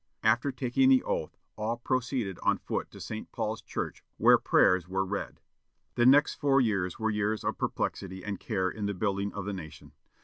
After taking the oath, all proceeded on foot to St. Paul's Church, where prayers were read. The next four years were years of perplexity and care in the building of the nation.